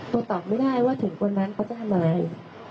ตอบไม่ได้ว่าถึงวันนั้นเขาจะทำอะไร